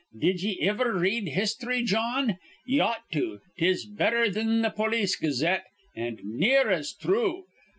Did ye iver read histhry, Jawn? Ye ought to. 'Tis betther thin th' Polis Gazette, an' near as thrue.